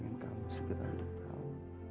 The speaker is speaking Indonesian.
tentang sesuatu yang aku ingin kamu segera tahu